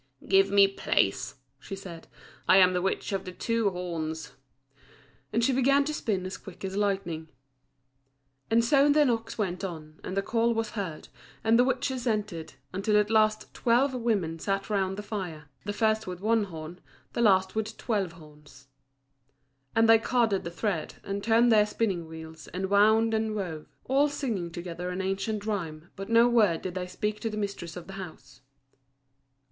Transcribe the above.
"Give me place," she said, "I am the Witch of the two Horns," and she began to spin as quick as lightning. And so the knocks went on, and the call was heard, and the witches entered, until at last twelve women sat round the fire the first with one horn, the last with twelve horns. And they carded the thread, and turned their spinning wheels, and wound and wove. All singing together an ancient rhyme, but no word did they speak to the mistress of the house.